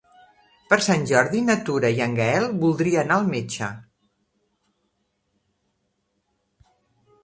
Per Sant Jordi na Tura i en Gaël voldria anar al metge.